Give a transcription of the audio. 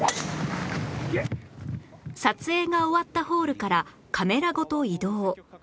撮影が終わったホールからカメラごと移動